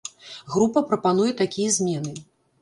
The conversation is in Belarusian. Група прапануе такія змены.